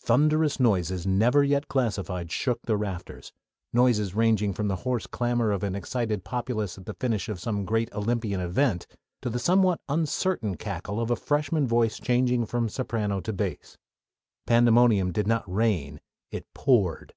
Thunderous noises never yet classified shook the rafters noises ranging from the hoarse clamor of an excited populace at the finish of some great Olympian event, to the somewhat uncertain cackle of a freshman voice changing from soprano to bass. Pandemonium did not reign: it poured.